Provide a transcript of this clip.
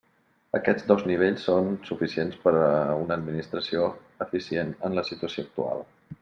Aquests dos nivells són suficients per a una administració eficient en la situació actual.